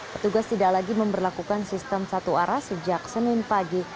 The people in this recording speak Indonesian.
petugas tidak lagi memperlakukan sistem satu arah sejak senin pagi